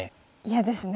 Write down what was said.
嫌ですね。